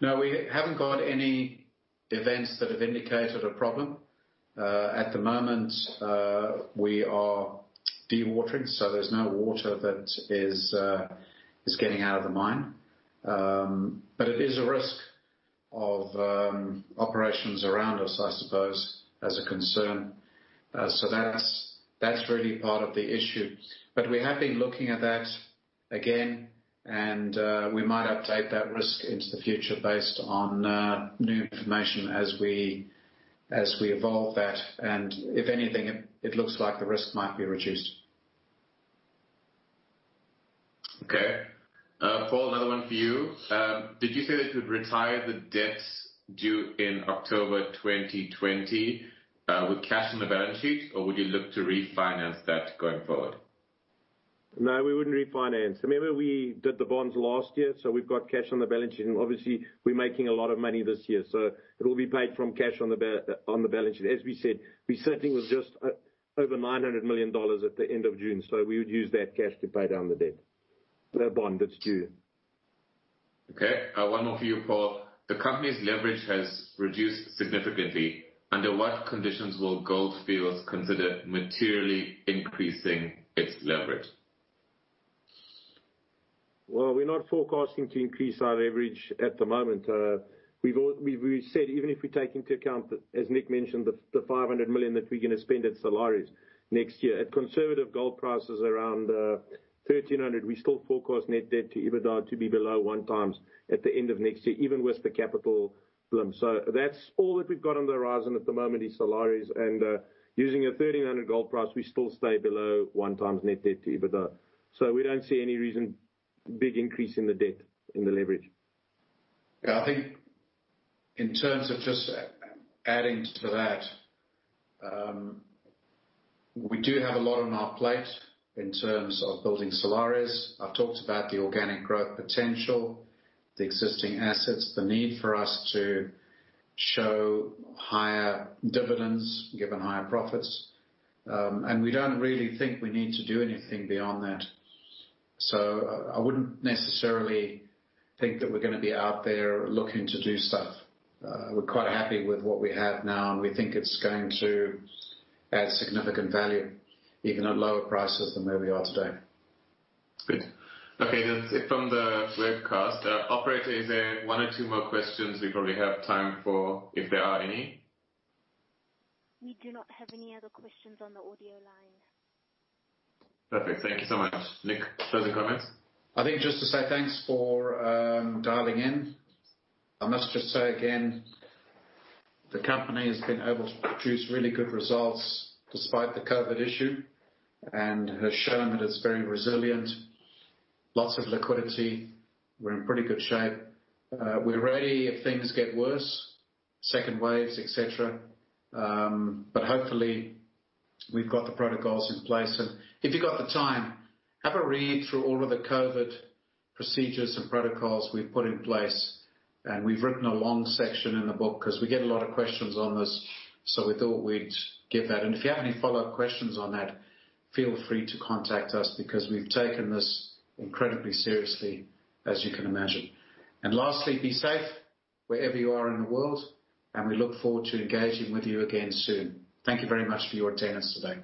No, we haven't got any events that have indicated a problem. At the moment, we are dewatering, so there's no water that is getting out of the mine. It is a risk of operations around us, I suppose, as a concern. That's really part of the issue. We have been looking at that again, and we might update that risk into the future based on new information as we evolve that. If anything, it looks like the risk might be reduced. Okay. Paul, another one for you. Did you say that you'd retire the debts due in October 2020 with cash on the balance sheet, or would you look to refinance that going forward? No, we wouldn't refinance. Remember, we did the bonds last year; we've got cash on the balance sheet. Obviously, we're making a lot of money this year, and it'll be paid from cash on the balance sheet. As we said, we're sitting with just over $900 million at the end of June, we would use that cash to pay down the debt, the bond that's due. Okay. One more for you, Paul. The company's leverage has reduced significantly. Under what conditions will Gold Fields consider materially increasing its leverage? Well, we're not forecasting to increase our leverage at the moment. We've said, even if we take into account, as Nick mentioned, the $500 million that we're going to spend at Salares Norte next year. At conservative gold prices around $1,300 an ounce, we still forecast net debt-to-EBITDA to be below 1.0x at the end of next year, even with the capital plan. That's all that we've got on the horizon at the moment is Salares Norte, and, using a $1,300 gold price, we still stay below one times net debt-to-EBITDA. We don't see any reason for a big increase in the leverage. Yeah, I think in terms of just adding to that, we do have a lot on our plate in terms of building Salares Norte. I've talked about the organic growth potential, the existing assets, and the need for us to show higher dividends given higher profits. We don't really think we need to do anything beyond that. I wouldn't necessarily think that we're going to be out there looking to do stuff. We're quite happy with what we have now, and we think it's going to add significant value, even at lower prices than where we are today. Good. Okay, that's it from the webcast. Operator, is there one or two more questions we probably have time for, if there are any? We do not have any other questions on the audio line. Perfect. Thank you so much. Nick, closing comments? I think just to say thanks for dialing in. I must just say again, the company has been able to produce really good results despite the COVID issue and has shown that it's very resilient. Lots of liquidity. We're in pretty good shape. We're ready if things get worse, second waves, et cetera. Hopefully, we've got the protocols in place. If you've got the time, have a read through all of the COVID procedures and protocols we've put in place. We've written a long section in the book because we get a lot of questions on this, so we thought we'd give that. If you have any follow-up questions on that, feel free to contact us because we've taken this incredibly seriously, as you can imagine. Lastly, be safe wherever you are in the world, and we look forward to engaging with you again soon. Thank you very much for your attendance today.